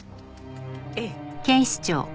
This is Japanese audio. ええ。